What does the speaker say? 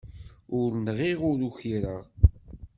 Ur nɣiɣ, ur ukireɣ.